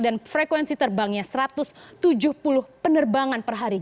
dan frekuensi terbangnya satu ratus tujuh puluh penerbangan per hari